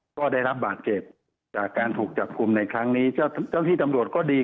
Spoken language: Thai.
ก็ได้รับบาทเก็บจากการถูกจับคุมในครั้งนี้